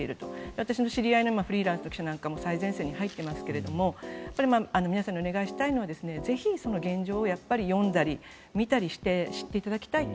私の知り合いのフリーランスの記者なんかも最前線に入ってますが皆さんにお願いしたいのはぜひ、現状を読んだり見たりして知っていただきたいと。